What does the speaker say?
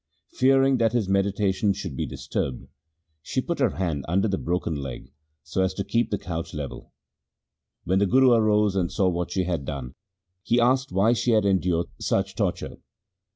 Fearing that his meditation should be disturbed, she put her hand under the broken leg so as to keep the couch level. When the Guru arose and saw what she had done he asked why she had en dured such torture.